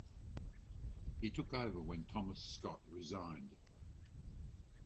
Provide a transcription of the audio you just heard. He took over when Thomas Scott resigned.